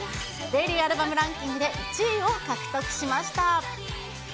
デイリーアルバムランキングで１位を獲得しました。